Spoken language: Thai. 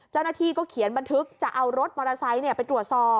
เจ้าหน้าที่ก็เขียนบันทึกจะเอารถมอเตอร์ไซค์ไปตรวจสอบ